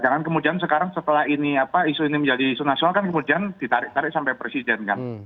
jangan kemudian sekarang setelah ini apa isu ini menjadi isu nasional kan kemudian ditarik tarik sampai presiden kan